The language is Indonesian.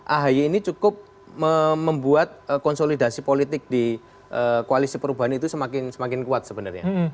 ahy ini cukup membuat konsolidasi politik di koalisi perubahan itu semakin kuat sebenarnya